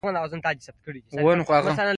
د خواخوږۍ او رحم درلودل تمرین کړه.